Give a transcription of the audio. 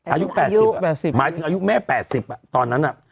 อายุ๘๐อ่ะหมายถึงอายุแม่๘๐อ่ะตอนนั้นอ่ะ